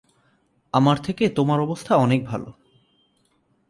আমার থেকে তোমার অবস্থা অনেক ভালো।